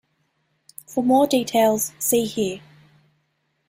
For more details, see here.